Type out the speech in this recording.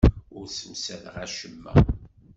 Ur ssemsadeɣ acemma.